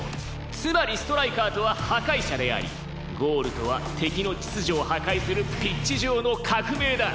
つまりストライカーとは破壊者でありゴールとは敵の秩序を破壊するピッチ上の革命だ！